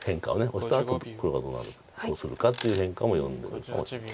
オシたあとの黒がどうするかっていう変化も読んでるかもしれない。